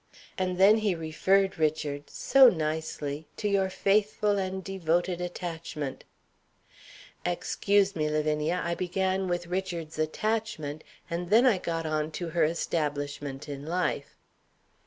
And then he referred, Richard (so nicely), to your faithful and devoted attachment " "Excuse me, Lavinia. I began with Richard's attachment, and then I got on to her establishment in life."